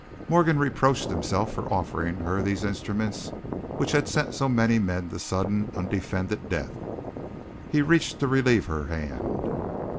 Morgan reproached himself for offering her these instruments which had sent so many men to sudden, undefended death. He reached to relieve her hand.